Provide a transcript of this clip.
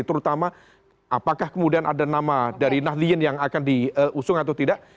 terutama apakah kemudian ada nama dari nahdien yang akan diusung atau tidak